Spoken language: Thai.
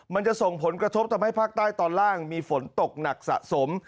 มันจะส่งผลกระทบทำให้ภาคใต้ตอนล่างมีฝนตกหนักสะสม